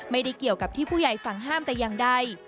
ไม่ได้เกี่ยวกับที่ผู้ใหญ่สั่งห้ามแต่อย่างใด